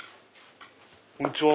こんにちは。